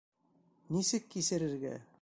Нисек кисерергә?